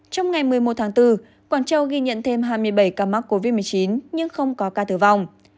trong ngày một mươi một tháng bốn quảng châu ghi nhận thêm hai mươi bảy ca mắc covid một mươi chín nhưng không có ca tử vong